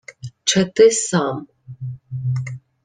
— Чети сам!